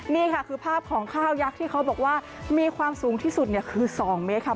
นี่ค่ะคือภาพของข้าวยักษ์ที่เขาบอกว่ามีความสูงที่สุดคือ๒เมตรค่ะ